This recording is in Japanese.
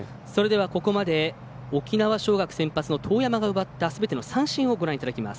ここまで沖縄尚学先発の當山が奪ったすべての三振をご覧いただきます。